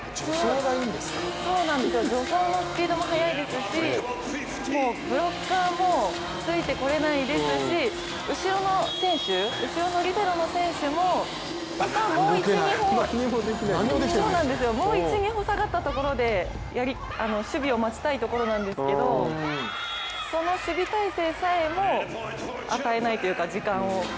助走もスピードも速いですしもうブロッカーもついてこれないですし後ろのリベロの選手も、もう１２歩下がったところで守備を待ちたいところなんですけど、その守備態勢さえも与えないというか、時間を。